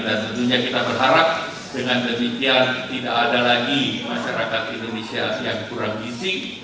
dan tentunya kita berharap dengan demikian tidak ada lagi masyarakat indonesia yang kurang gising